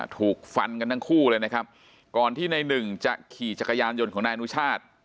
ถูกฟันกันทั้งคู่เลยนะครับก่อนที่ในหนึ่งจะขี่จักรยานยนต์ของนายอนุชาติ